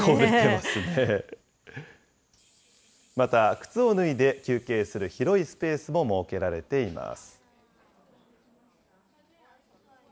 また、靴を脱いで休憩する広いスペースも設けられています。